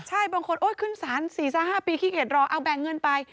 ใช่บางคนโอ๊ยขึ้นสาร๔๕ปีขี้เกียจรอเอาแบ่งเงินไป